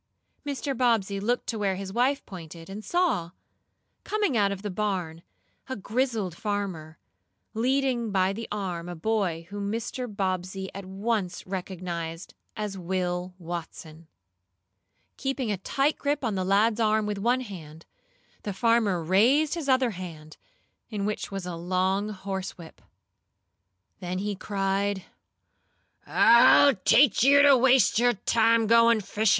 Mr. Bobbsey looked to where his wife pointed, and saw, coming out of the barn, a grizzled farmer, leading by the arm a boy whom Mr. Bobbsey at once recognized as Will Watson. Keeping a tight grip on the lad's arm with one hand, the farmer raised his other hand, in which was a long horsewhip. Then he cried: "I'll teach you to waste your time goin' fishin'!